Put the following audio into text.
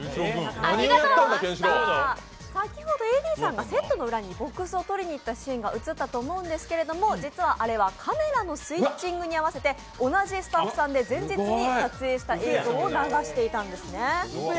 先ほどＡＤさんがセットの裏にボックスを取りにいったシーンがありましたけど実はあれはカメラのスイッチングに合わせて、同じスタッフさんで前日に撮影した映像を流していたんですね。